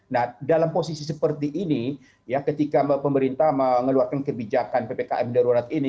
nah dalam posisi seperti ini ya ketika pemerintah mengeluarkan kebijakan ppkm darurat ini